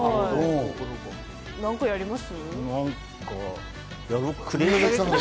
何かやります？